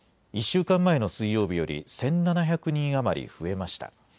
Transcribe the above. １週間前の水曜日より１７００人余り増えました。